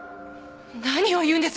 何を言うんです！？